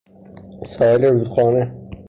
ساحل رودخانه